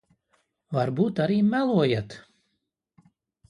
Varbūt arī melojat.